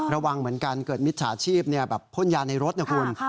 ระวังเหมือนกันเกิดมิจฉาชีพพ่นยาในรถนะคุณ